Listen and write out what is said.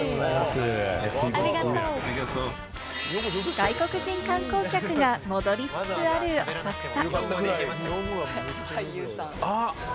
外国人観光客が戻りつつある浅草。